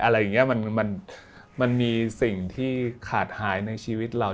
อะไรอย่างนี้มันมีสิ่งที่ขาดหายในชีวิตเรา